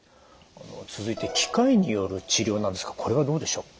続いて機械による治療なんですがこれはどうでしょう？